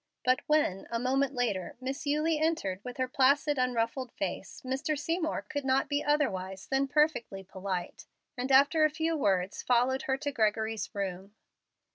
But when, a moment later, Miss Eulie entered with her placid, unruffled face, Mr. Seymour could not be otherwise than perfectly polite, and after a few words, followed her to Gregory's room.